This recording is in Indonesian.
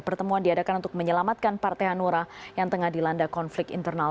pertemuan diadakan untuk menyelamatkan partai hanura yang tengah dilanda konflik internal